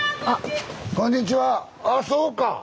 あっそうか！